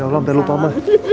ya allah udah lupa ma